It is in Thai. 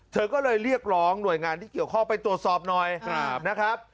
เธอก็เลยเรียกร้องหน่วยงานที่เกี่ยวข้องไปตรวจสอบหน่อยนะครับ